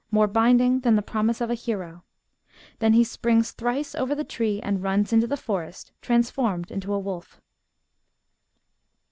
More binding than the promise of a hero !" Then he springs thrice over the tree and runs into the forest, transformed into a wolf."